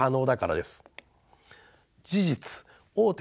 事実大手